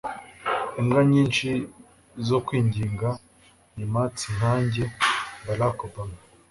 imbwa nyinshi zo kwikinga ni mutts nkanjye - barack obama